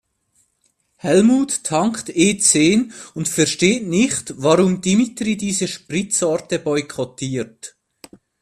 Helmut tankt E-zehn und versteht nicht, warum Dimitri diese Spritsorte boykottiert.